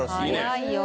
早いよ。